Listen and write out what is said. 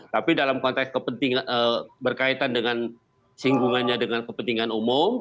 tapi dalam konteks berkaitan dengan singgungannya dengan kepentingan umum